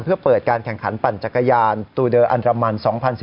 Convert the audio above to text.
เพื่อเปิดการแข่งขันปั่นจักรยานตูเดอร์อันรามัน๒๐๑๙